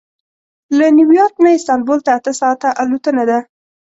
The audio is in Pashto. له نیویارک نه استانبول ته اته ساعته الوتنه ده.